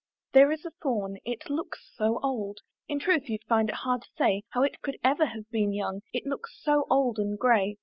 There is a thorn; it looks so old, In truth you'd find it hard to say, How it could ever have been young, It looks so old and grey.